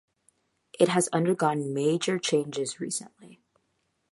It has undergone major changes recently.